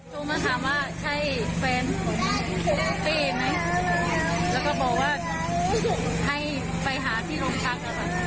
โทรมาถามว่าใช่แฟนของเป้ไหมแล้วก็บอกว่าให้ไปหาที่โรงพักนะคะ